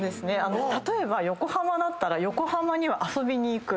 例えば横浜だったら横浜には遊びに行く。